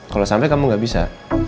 kalau sampai kamu gak bisa